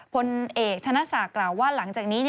พลเอกธนศักดิ์กล่าวว่าหลังจากนี้